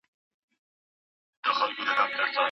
تاسي کولای شئ په انټرنیټ کې نوي تمرینونه وګورئ.